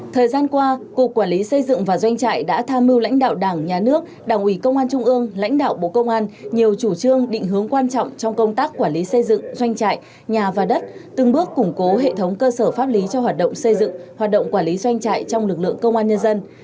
thời gian qua cục quản lý xây dựng và doanh trại đã tham mưu lãnh đạo đảng nhà nước đảng ủy công an trung ương lãnh đạo bộ công an nhiều chủ trương định hướng quan trọng trong công tác quản lý xây dựng doanh trại nhà và đất từng bước củng cố hệ thống cơ sở pháp lý cho hoạt động xây dựng hoạt động quản lý doanh trại trong lực lượng công an nhân dân